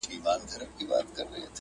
زما یادیږي چي سپین ږیرو به ویله٫